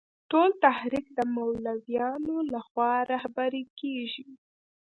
ټول تحریک د مولویانو له خوا رهبري کېږي.